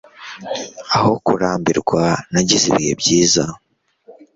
Aho kurambirwa, Nagize ibihe byiza.